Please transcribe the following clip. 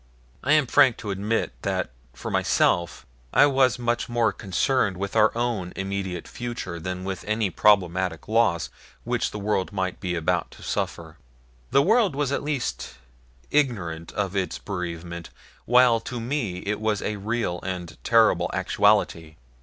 I am frank to admit that for myself I was much more concerned with our own immediate future than with any problematic loss which the world might be about to suffer. The world was at least ignorant of its bereavement, while to me it was a real and terrible actuality.